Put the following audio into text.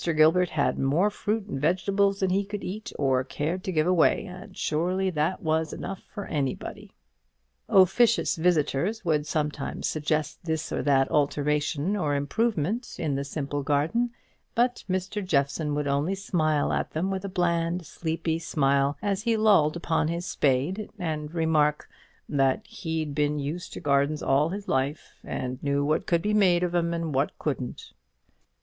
Gilbert had more fruit and vegetables than he could eat or cared to give away; and surely that was enough for anybody." Officious visitors would sometimes suggest this or that alteration or improvement in the simple garden; but Mr. Jeffson would only smile at them with a bland, sleepy smile, as he lolled upon his spade, and remark, "that he'd been used to gardens all his life, and knew what could be made out of 'em, and what couldn't."